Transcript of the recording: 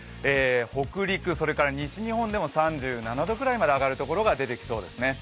北陸、西日本でも３７度ぐらいまで上がるところがありそうですね。